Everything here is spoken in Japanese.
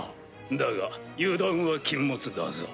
だが油断は禁物だぞ。